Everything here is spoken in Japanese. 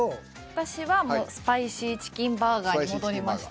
私はもうスパイシーチキンバーガーに戻りました。